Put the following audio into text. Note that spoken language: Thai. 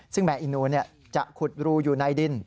ซึ่งแมอีนูนจะขุดรูอยู่ในดิน